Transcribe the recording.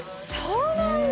そうなんだ！